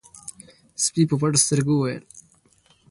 سپي په پټو سترګو وويل: